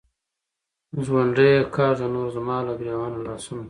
“ځونډیه”کاږه نور زما له ګرېوانه لاسونه